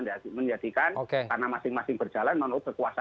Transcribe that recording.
ini harus dijadikan karena masing masing berjalan menurut kekuasaan dan kekuasaan